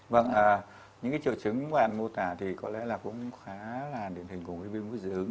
vâng những triều chứng bạn mô tả thì có lẽ là cũng khá là điện hình cùng với viêm mũi dị ứng